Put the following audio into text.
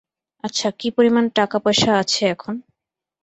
আচ্ছা কি পরিমান টাকা পয়সা আছে এখন?